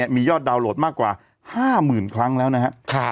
มียอดดาวนโหลดมากกว่า๕๐๐๐ครั้งแล้วนะครับ